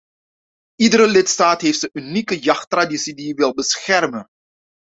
Iedere lidstaat heeft zijn unieke jachttraditie die hij wil beschermen.